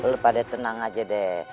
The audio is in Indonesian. lo pada tenang aja deh